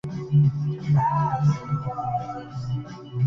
Unos bandidos roban una manada de caballos de la familia Sturges.